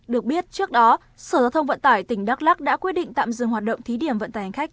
được biết trước đó sở giao thông vận tải tp hcm đã quyết định tạm dừng hoạt động thí điểm vận tải hành khách